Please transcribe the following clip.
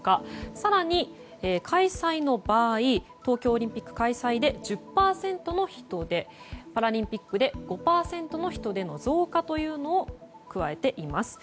更に開催の場合東京オリンピック開催で１０％の人出パラリンピックで５％の人出の増加というのを加えています。